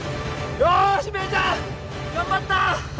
よーし芽衣ちゃん！頑張った！